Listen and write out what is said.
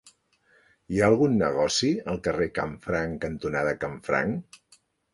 Hi ha algun negoci al carrer Canfranc cantonada Canfranc?